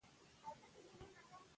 اقلیم د افغانستان د ملي هویت نښه ده.